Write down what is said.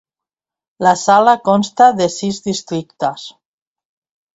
La sala consta de sis districtes.